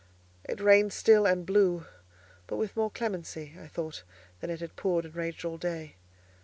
It rained still, and blew; but with more clemency, I thought, than it had poured and raged all day.